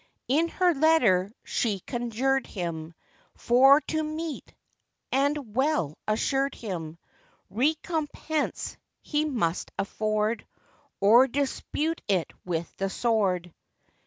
In her letter she conjured him For to meet, and well assured him, Recompence he must afford, Or dispute it with the sword.